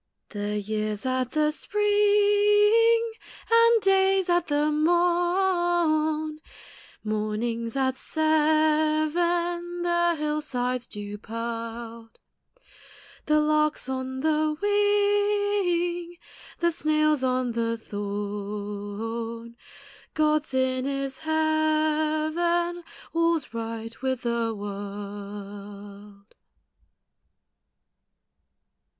The year's at the spring, And day's at the morn; Morning's at seven; The hill side's dew pearled; The lark's on the wing; The snail's on the thorn; God's in His heaven All's right with the world.